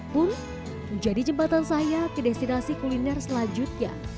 pun menjadi jembatan saya ke destinasi kuliner selanjutnya